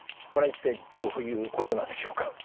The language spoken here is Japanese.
これは一体どういうことなんでしょうか？